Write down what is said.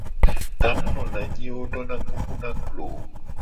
Ta mu nona anyi ye wo dona kuku na klo o.